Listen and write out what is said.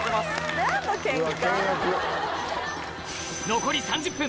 残り３０分